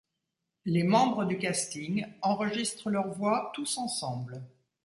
Les membres du casting enregistrent leur voix tous ensemble.